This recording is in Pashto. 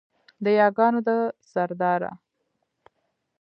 د یاګانو ده سرداره